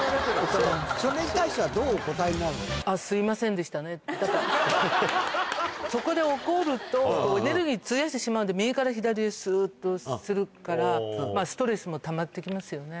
それに対してはどうお答えにすみませんでしたねって、そこで怒ると、エネルギー費やしてしまうんで、右から左へすーっとするから、ストレスもたまってきますよね。